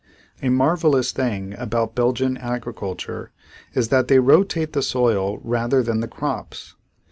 A marvelous thing about Belgian agriculture is that they rotate the soil rather than the crops.